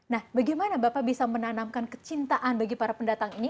nah bagaimana bapak bisa menanamkan kecintaan bagi para pendatang ini